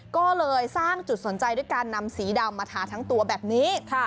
ก็เลยสร้างจุดสนใจด้วยการนำสีดำมาทาทั้งตัวแบบนี้